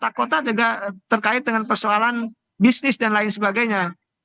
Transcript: tata kota juga terkait dengan persoalan bisnis dan lain sebagainya